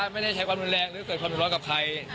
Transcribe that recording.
ไม่ได้ใช้ความรุนแรงหรือเกิดความร้อนกับใคร